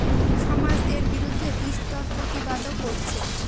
সমাজ এর বিরুদ্ধে বিস্তর প্রতিবাদও করছে।